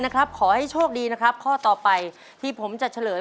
ขอให้โชคดีนะครับข้อต่อไปที่ผมจะเฉลย